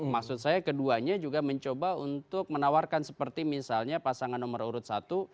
maksud saya keduanya juga mencoba untuk menawarkan seperti misalnya pasangan nomor urut satu